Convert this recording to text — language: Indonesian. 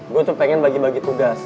gue tuh pengen bagi bagi tugas